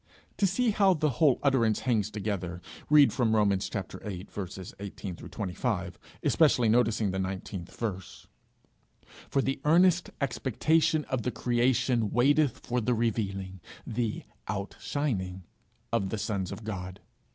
To see how the whole utterance hangs together, read from the 18th verse to the 25th, especially noticing the 19th: 'For the earnest expectation of the creation waiteth for the revealing' (the outshining) 'of the sons of God.'